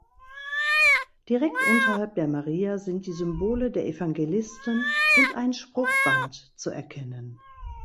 Direkt unterhalb der Maria sind die Symbole der Evangelisten und ein Spruchband zu erkennen.